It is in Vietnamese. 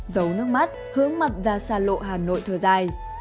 giấu nước mắt hướng mặt ra xa lộ hà nội thời dài